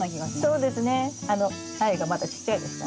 あの苗がまだちっちゃいですからね。